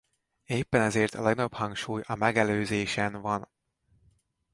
Éppen ezért a legnagyobb hangsúly a megelőzésen van.